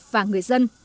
và người dân